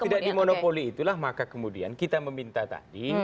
tidak dimonopoli itulah maka kemudian kita meminta tadi